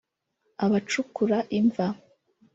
abacukura imva